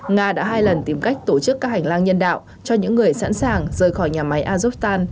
nga đã hai lần tìm cách tổ chức các hành lang nhân đạo cho những người sẵn sàng rời khỏi nhà máy azokhstan